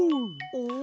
お？